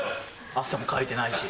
汗もかいてないし。